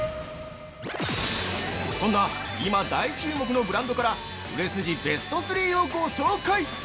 そんな今大注目のブランドから売れ筋ベスト３をご紹介。